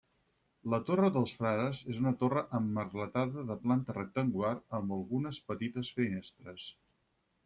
La Torre dels Frares és una torre emmerletada de planta rectangular amb algunes petites finestres.